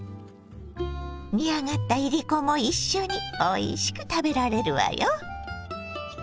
煮上がったいりこも一緒においしく食べられるわよ。